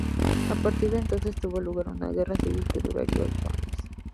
A partir de entonces tuvo lugar una guerra civil que duraría ocho años.